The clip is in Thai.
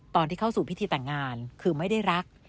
ตอนที่เข้าสู่พิธีแต่งงานคือไม่ได้รัก